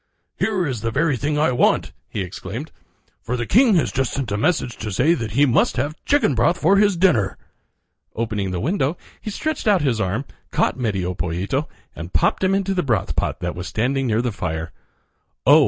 "Here is the very thing I want," he exclaimed, "for the king has just sent a message to say that he must have chicken broth for his dinner." Opening the window he stretched out his arm, caught Medio Pollito, and popped him into the broth pot that was standing near the fire. Oh!